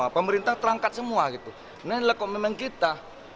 pemerintah terangkat semua gitu ini adalah komitmen kita